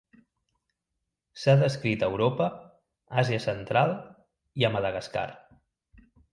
S'ha descrit a Europa, Àsia central i a Madagascar.